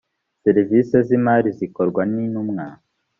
serivisi z’imari zikorwa n’intumwa